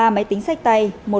ba máy tính sách tăng